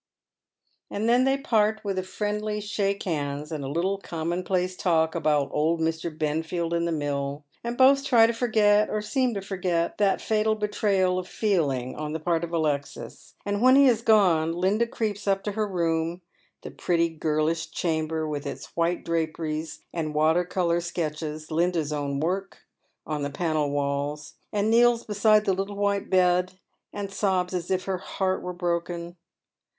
317 And then they part with a friendly shake hands, and a little commonplace talk about old Mr, Benfield and the mill, and both try to forget, or seem to forget, that fatal betrayal of feeling on the part of Alexis ; and when he has gone Linda creeps up to her room,— the pretty girlish chamber, with its white draperies and water colour sketches, Linda's own work, on the paneled walls— and kneels beside the Httle white bed, and sobs as if her heart were broken.